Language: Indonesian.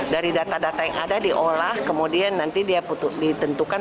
dari data data yang ada diolah kemudian nanti dia ditentukan